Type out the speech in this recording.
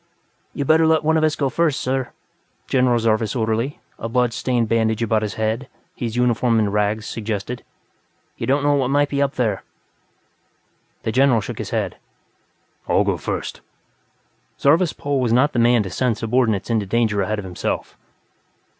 "You'd better let some of us go first sir," General Zarvas' orderly, a blood stained bandage about his head, his uniform in rags, suggested. "You don't know what might be up there." The General shook his head. "I'll go first." Zarvas Pol was not the man to send subordinates into danger ahead of himself.